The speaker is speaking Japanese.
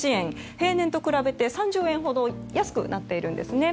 平年と比べて３０円ほど安くなっているんですね。